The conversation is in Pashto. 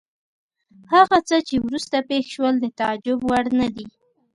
هغه څه چې وروسته پېښ شول د تعجب وړ نه دي.